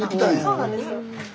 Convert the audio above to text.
そうなんですよ。